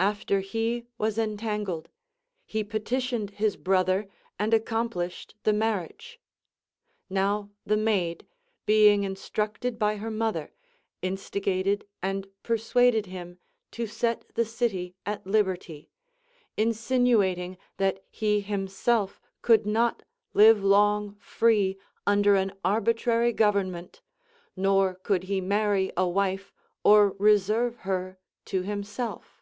After he was entangled, he petitioned his brother and accom plished the marriage. Now the maid, being instructed by her mother, instigated and persuaded him to set the city at liberty, insinuating that he himself could not live long free under an arbitrary government, nor could he marry a wife or reserve her to himself.